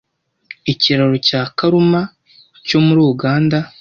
Ikiraro cya Karuma cyo muriUganda